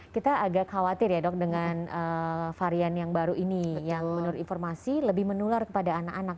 kita agak khawatir ya dok dengan varian yang baru ini yang menurut informasi lebih menular kepada anak anak